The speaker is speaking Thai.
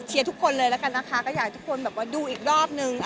เชียร์ทุกคนเลยแล้วกันนะคะก็อยากทุกคนดูอีกรอบหนึ่ง